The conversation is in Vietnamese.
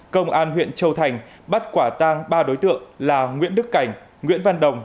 công an huyện châu thành bắt quả tang ba đối tượng là nguyễn đức cảnh nguyễn văn đồng